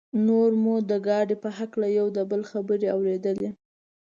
نور مو د ګاډي په هکله یو د بل خبرې اورېدلې.